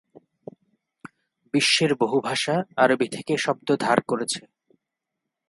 বিশ্বের বহু ভাষা আরবি থেকে শব্দ ধার করেছে।